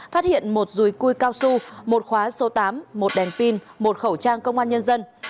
phát hiện một rùi cui cao su một khóa số tám một đèn pin một khẩu trang công an nhân dân